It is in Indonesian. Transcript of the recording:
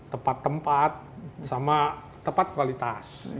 tepat harga tepat waktu tepat tempat sama tepat kualitas